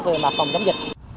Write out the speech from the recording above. về mặt phòng chấm dịch